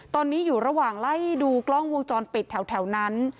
ตอนนี้อยู่ระหว่างไล่ดูกล้องวงจรปิดแถวนั้น